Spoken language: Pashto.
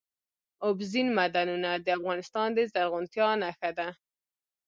اوبزین معدنونه د افغانستان د زرغونتیا نښه ده.